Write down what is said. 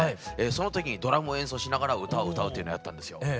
その時にドラムを演奏しながら歌を歌うっていうのをやったんですよ。